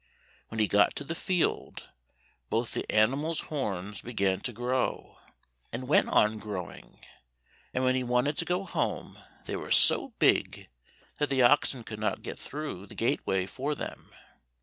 When he got to the field, both the animals' horns began to grow, and went on growing, and when he wanted to go home they were so big that the oxen could not get through the gateway for them.